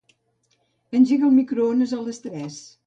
Engega el microones a les tres.